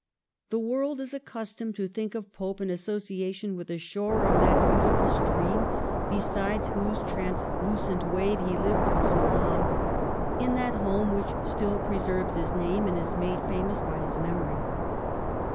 The world is accustomed to think of Pope in association with the shore of that beautiful stream, beside whose ' translucent wave ' he lived so long, in that home which still preserves his name and is made famous by his memory.